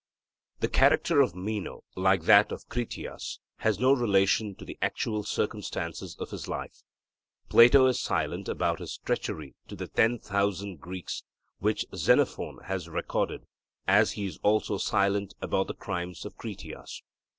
The character of Meno, like that of Critias, has no relation to the actual circumstances of his life. Plato is silent about his treachery to the ten thousand Greeks, which Xenophon has recorded, as he is also silent about the crimes of Critias.